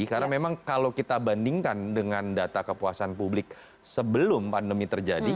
karena memang kalau kita bandingkan dengan data kepuasan publik sebelum pandemi terjadi